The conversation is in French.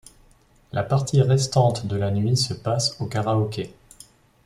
La partie restante de la nuit se passe au karaoké.